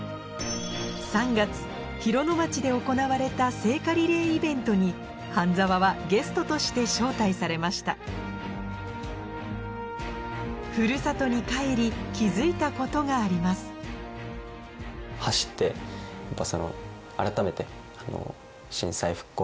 ３月広野町で行われた聖火リレーイベントに半澤はゲストとして招待されましたふるさとに帰り気付いたことがあります